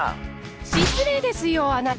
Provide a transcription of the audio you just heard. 失礼ですよあなた！